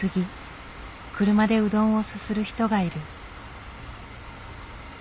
車でうどんをすする人がいる。